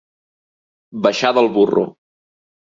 Baixar del burro.